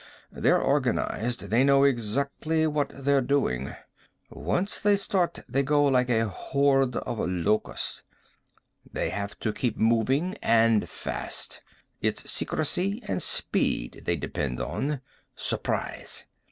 They're organized. They know exactly what they're doing. Once they start they go like a horde of locusts. They have to keep moving, and fast. It's secrecy and speed they depend on. Surprise.